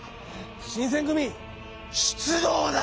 新選組出動だ！